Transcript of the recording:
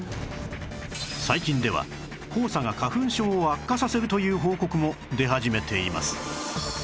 最近では黄砂が花粉症を悪化させるという報告も出始めています